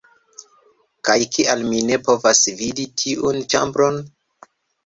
Kaj kial mi ne povas vidi tiun ĉambron?!